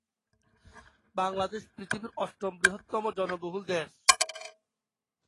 এটি দেখতে কমলা বর্ণের, নরম আবরণের এবং মিষ্টি স্বাদযুক্ত একটি ফল।